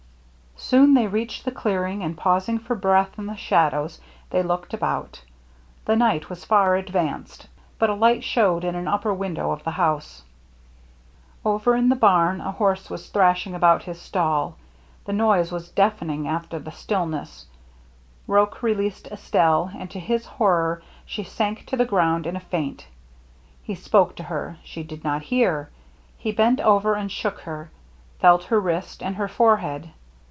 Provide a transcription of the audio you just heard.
Soon they reached the clearing, and, pausing for breath in the shadows, they looked about. The night was far advanced, but a light showed in an upper window of the house. Over in 304 THE MERRr ANNE the barn a horse was thrashing about his stall ; the noise was deafening after the stillness. Roche released Estelle, and to his horror she sank to the ground in a faint. He spoke to her — she did not hear. He bent over and shook her, felt her wrist and her forehead.